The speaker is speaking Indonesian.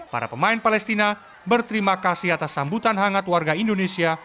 para pemain palestina berterima kasih atas sambutan hangat warga indonesia